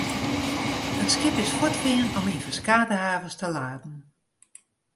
It skip is fuortfearn om yn ferskate havens te laden.